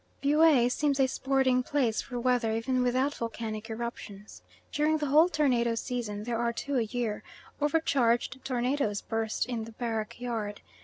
Buea seems a sporting place for weather even without volcanic eruptions, during the whole tornado season (there are two a year), over charged tornadoes burst in the barrack yard.